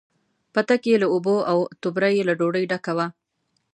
پتک یې له اوبو، او توبره یې له ډوډۍ ډکه وه.